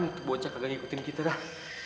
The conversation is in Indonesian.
itu boneka kagak ngikutin kita dah